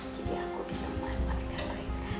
jadi aku bisa memanfaatkan mereka